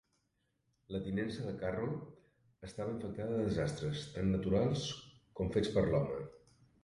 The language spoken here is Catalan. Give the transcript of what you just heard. La tinença de Carroll estava infectada de desastres, tant naturals com fets per l'home.